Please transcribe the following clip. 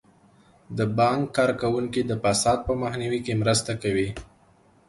د بانک کارکوونکي د فساد په مخنیوي کې مرسته کوي.